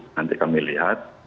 nanti kami lihat